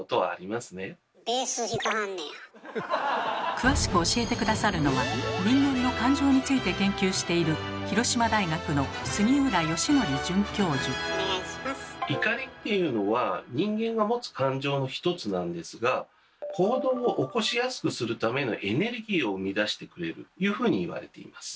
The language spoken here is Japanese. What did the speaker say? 詳しく教えて下さるのは人間の感情について研究している「怒り」っていうのは人間が持つ感情の一つなんですが行動を起こしやすくするためのエネルギーを生み出してくれるというふうに言われています。